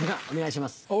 お願いします。